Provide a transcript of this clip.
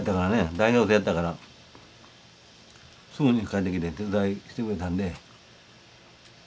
大学生やったからすぐに帰ってきて手伝いしてくれたんで。